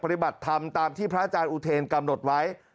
ปฏิบัติธรรมตามที่พระอาจารย์อุเทรนกำหนดไว้